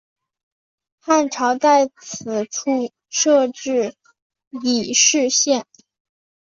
汉朝在此处设置己氏县。